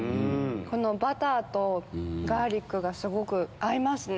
バターとガーリックがすごく合いますね。